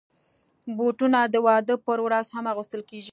بوټونه د واده پر ورځ هم اغوستل کېږي.